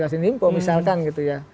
pak masyidin mpo misalkan gitu ya